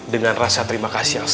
dengan rasa terima kasih